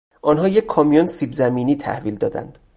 آنها یک کامیون سیب زمینی تحویل دادند.